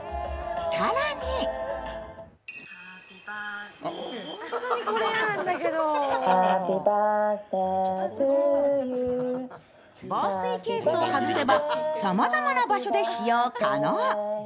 更に防水ケースを外せばさまざまな場所で使用可能。